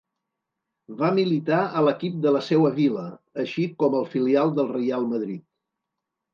Va militar a l'equip de la seua vila, així com al filial del Reial Madrid.